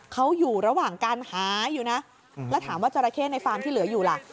เขาอยู่ระหว่างการหาอยู่นะแล้วถามว่าจราเข้ในฟาร์มที่เหลืออยู่ล่ะ